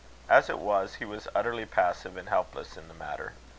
As it was, he was utterly passive and helpless in the matter.